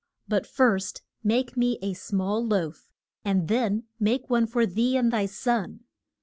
But first make me a small loaf, and then make one for thee and thy son.